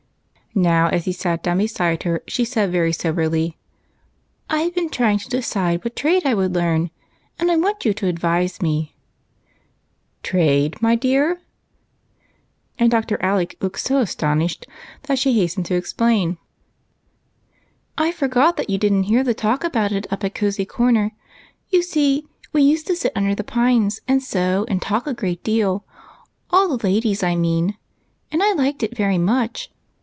Now, as he sat down beside her, she said, very so berly, — "I've been trying to decide what trade I would learn, and I want you to advise me." " Trade, my dear ?" and Dr. Alec looked so aston ished that she hastened to explain. " I forgot that you did n't hear the talk about it up at Cosey Corner. You see we used to sit under the pines and sew, and talk a great deal, — all the ladies, I 180 EIGHT COUSINS. mean, — and I liked it very much.